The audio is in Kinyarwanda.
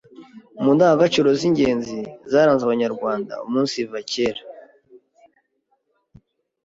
mu ndangaciro z’ingenzi zaranze Abanyarwanda umunsiva kera.